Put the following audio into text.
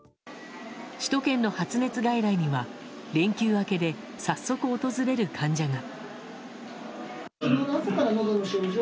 首都圏の発熱外来には連休明けで早速訪れる患者が。